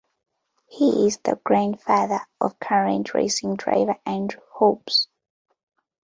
He is the grandfather of current racing driver Andrew Hobbs.